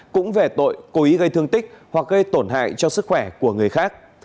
cũng về tội cố ý gây thương tích hoặc gây tổn hại cho sức khỏe của người khác